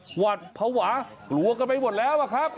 หวัดเผาหวาหลวกกันไปหมดแล้วอ่ะครับ